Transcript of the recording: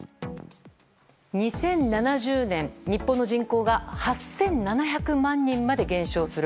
２０７０年、日本の人口が８７００万人まで減少する。